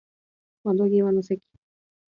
窓際の席